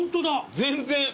全然。